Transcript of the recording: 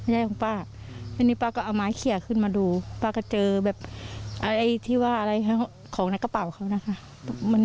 ตอนนี้ป้าก็เอาไม้เขี่ยขึ้นมาดูป้าก็เจออะไรของในกระเป๋าเขานะคะ